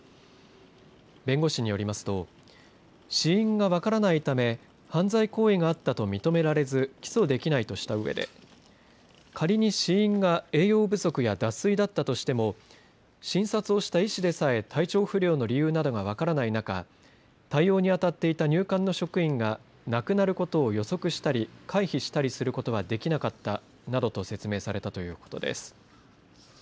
弁護士によりますと死因が分からないため犯罪行為があったと認められず起訴できないとしたうえで仮に死因が栄養不足や脱水だったとしても診察をした医師でさえ体調不良の理由などが分からない中対応に当たっていた入管の職員が亡くなることを予測したり回避したりすることはできなかったなどと説明されたということです。